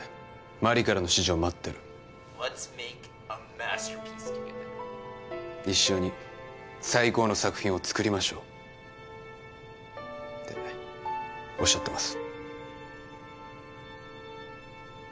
「マリからの指示を待ってる」「一緒に最高の作品を作りましょう」っておっしゃってます